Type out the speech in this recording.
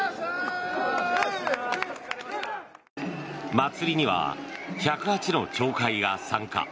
祭りには１０８の町会が参加。